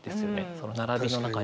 その並びの中に。